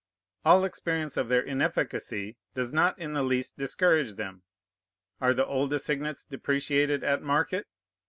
All experience of their inefficacy does not in the least discourage them. Are the old assignats depreciated at market?